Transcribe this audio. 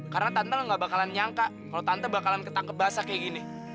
karena tante gak bakalan nyangka kalau tante bakalan ketangkep basah kayak gini